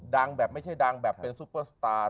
ดังแบบไม่ใช่ดังแบบเป็นซูเปอร์สตาร์